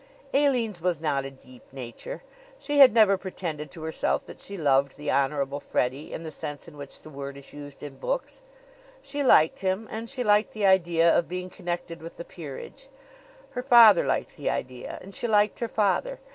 Aline's was not a deep nature. She had never pretended to herself that she loved the Honorable Freddie in the sense in which the word is used in books. She liked him and she liked the idea of being connected with the peerage; her father liked the idea and she liked her father.